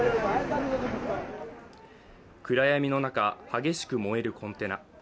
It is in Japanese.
暗闇の中、激しく燃えるコンテナ。